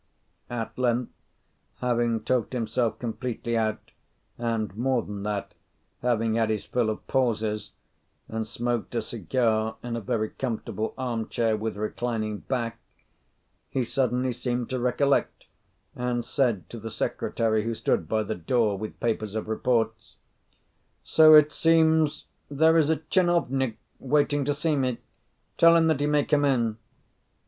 At length, having talked himself completely out, and more than that, having had his fill of pauses, and smoked a cigar in a very comfortable arm chair with reclining back, he suddenly seemed to recollect, and said to the secretary, who stood by the door with papers of reports, "So it seems that there is a tchinovnik waiting to see me. Tell him that he may come in."